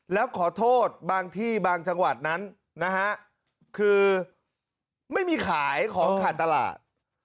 แล้วขอโทษบางที่บางจังหวัดนั้นนะฮะคือไม่มีขายของขาดตลาด